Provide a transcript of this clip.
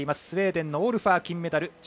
スウェーデンのオールファー金メダル。